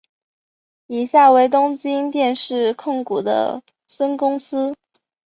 以下为东京电视控股的孙公司。